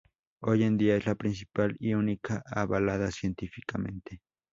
Hoy en día, es la principal y única avalada científicamente.